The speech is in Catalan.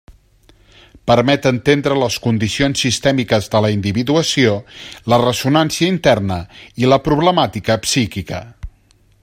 Permet entendre les condicions sistèmiques de la individuació, la ressonància interna i la problemàtica psíquica.